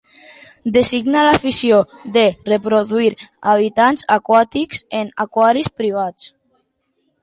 Designa l'afició de reproduir hàbitats aquàtics en aquaris privats.